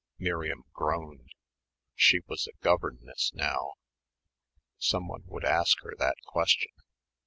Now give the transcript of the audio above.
Miriam groaned. She was a governess now. Someone would ask her that question.